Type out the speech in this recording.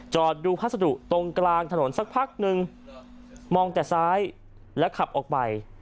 ดูพัสดุตรงกลางถนนสักพักนึงมองแต่ซ้ายแล้วขับออกไป